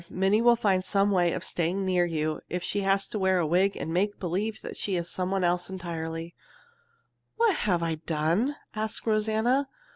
Minnie will find some way of staying near you if she has to wear a wig and make believe she is somebody else entirely." "What have I done?" asked Rosanna.